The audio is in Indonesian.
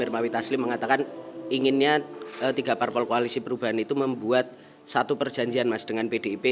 dermawi taslim mengatakan inginnya tiga parpol koalisi perubahan itu membuat satu perjanjian mas dengan pdip